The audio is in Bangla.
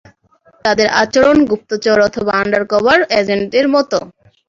তাদের আচরণ গুপ্তচর অথবা আন্ডারকভার এজেন্টদের মতো।